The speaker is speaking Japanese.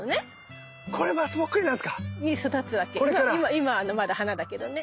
今はまだ花だけどね。